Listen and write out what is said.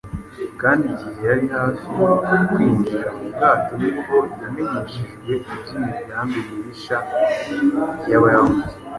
kandi igihe yari hafi kwinjira mu bwato nibwo yamenyeshejwe iby’imigambi mibisha y’Abayahudi